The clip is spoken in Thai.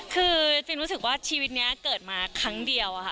คือจินรู้สึกว่าชีวิตนี้เกิดมาครั้งเดียวอะค่ะ